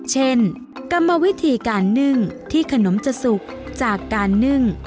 เช่นกรรมวิธีการนึ่งที่ขนมจะสุกจากการนึ่ง